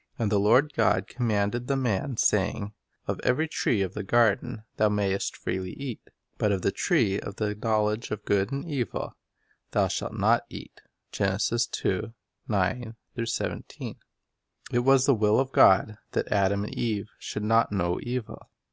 ... And the Lord God commanded the man, saying, Of every tree of the garden thou mayest freely eat; but of the tree of the knowledge of good and evil, thou shalt not eat." 1 It was the will of God that Adam and Eve should not know evil.